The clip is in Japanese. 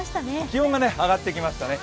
気温が上がってきましたね。